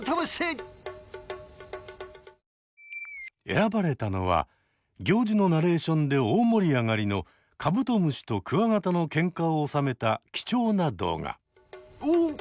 選ばれたのは行司のナレーションで大盛りあがりのカブトムシとクワガタのケンカをおさめた貴重な動画。